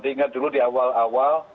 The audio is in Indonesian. enam tujuh tingkat dulu di awal awal